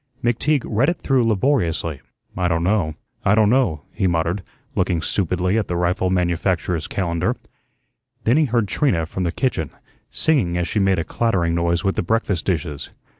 McTeague read it through laboriously. "I don' know, I don' know," he muttered, looking stupidly at the rifle manufacturer's calendar. Then he heard Trina, from the kitchen, singing as she made a clattering noise with the breakfast dishes.